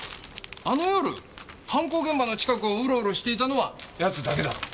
あの夜犯行現場の近くをウロウロしていたのは奴だけだ。